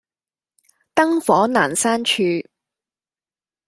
燈火闌珊處